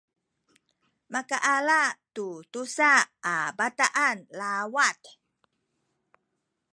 makaala tu tusa a bataan lawat